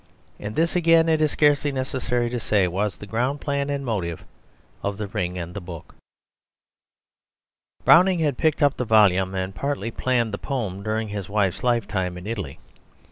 And this again, it is scarcely necessary to say, was the ground plan and motive of The Ring and the Book. Browning had picked up the volume and partly planned the poem during his wife's lifetime in Italy.